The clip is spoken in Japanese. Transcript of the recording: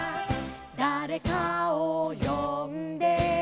「だれかをよんで」